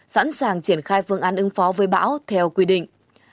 sẵn sàng triển khai phương án ứng phó với bão theo quy định